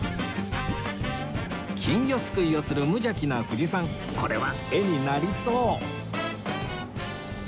金魚すくいをする無邪気な藤さんこれは絵になりそう